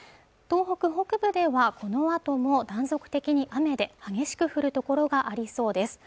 東北北部ではこのあとも断続的に雨で激しく降る所がありそうです